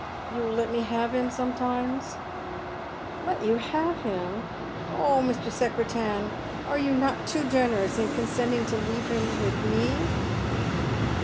You will let me have him sometimes ?"" Let you have liim I Oh, Mr. Secretan, are you not too generous in consenting to leave him with me